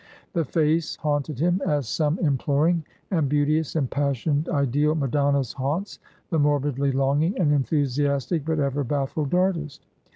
The face haunted him as some imploring, and beauteous, impassioned, ideal Madonna's haunts the morbidly longing and enthusiastic, but ever baffled artist.